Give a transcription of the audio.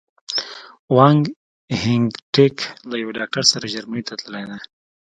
وان هینټیګ له یو ډاکټر سره جرمني ته تللي دي.